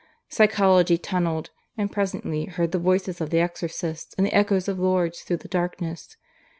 Psychology tunnelled, and presently heard the voices of the exorcists and the echoes of Lourdes through the darkness.